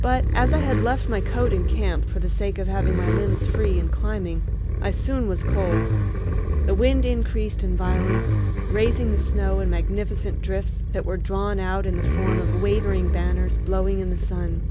But, as I had left my coat in camp for the sake of having my limbs free in climbing, I soon was cold. The wind increased in violence, raising the snow in magnificent drifts that were drawn out in the form of wavering banners blowing in the sun.